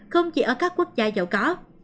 không chỉ ở các quốc gia giàu có